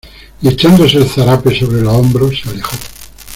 y echándose el zarape sobre los hombros, se alejó.